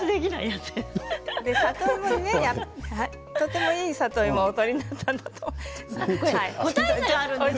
里芋、とてもいい里芋お取りになったんだと思います。